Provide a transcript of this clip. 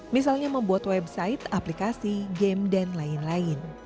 misalnya membuat website aplikasi game dan lain lain